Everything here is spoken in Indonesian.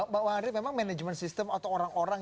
pak andi memang manajemen sistem atau orang orang